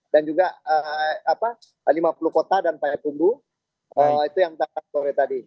dan juga apa lima puluh kota dan payakumbu itu yang kita kasih sore tadi